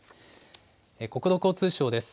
国土交通省です。